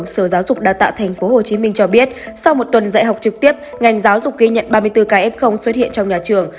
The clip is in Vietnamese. sau một tuần dạy học trực tiếp ngành giáo dục ghi nhận ba mươi bốn ca f xuất hiện trong nhà trường